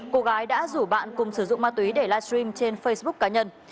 cô gái đã rủ bạn cùng sử dụng ma túy để live stream trên facebook cá nhân